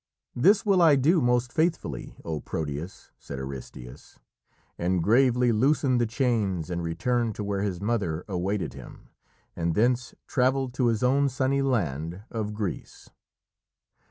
"This will I do most faithfully, O Proteus," said Aristæus, and gravely loosened the chains and returned to where his mother awaited him, and thence travelled to his own sunny land of Greece.